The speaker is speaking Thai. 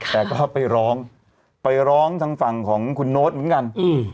แต่ก็ไปร้องไปร้องทางฝั่งของคุณโน้ตเหมือนกัน